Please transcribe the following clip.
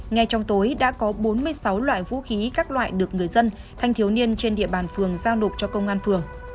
ngay trong tối đã có bốn mươi sáu loại vũ khí các loại được người dân thanh thiếu niên trên địa bàn phường giao nộp cho công an phường